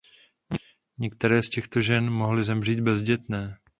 Některé z těchto žen mohly zemřít bezdětné.